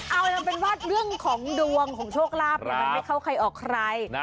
เอาเป็นว่าเรื่องของดวงของโชคลาภมันไม่เข้าใครออกใคร